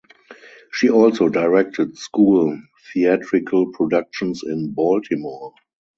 She also directed school theatrical productions in Baltimore.